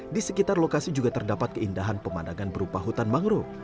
di sekitar lokasi juga terdapat keindahan pemandangan berupa hutan mangrove